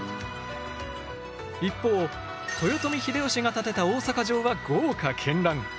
一方豊臣秀吉が建てた大阪城は豪華絢爛！